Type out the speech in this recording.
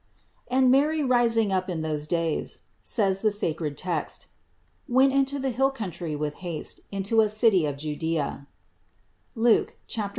200. "And Mary rising up in those days," says the sacred text, "went into the hill country with haste, into a city of Judea" (Luke 1, 39).